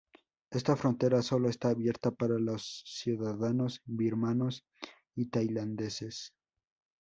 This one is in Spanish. Esta frontera sólo está abierta para los ciudadanos birmanos y tailandeses.